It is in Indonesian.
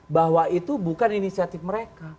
bahwa itu bukan inisiatif mereka